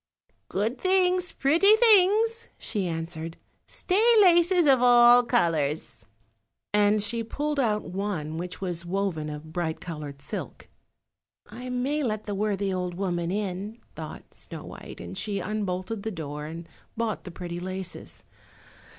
"Good things, pretty things," she answered; "stay laces of all colours," and she pulled out one which was woven of bright coloured silk. "I may let the worthy old woman in," thought Snow white, and she unbolted the door and bought the pretty laces.